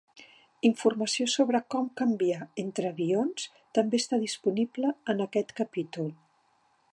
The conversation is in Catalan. Informació sobre com canviar entre avions també està disponible en aquest capítol.